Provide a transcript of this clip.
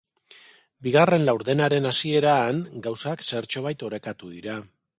Bigarren laurdenaren hasieran, gauzak zertxobait orekatu dira.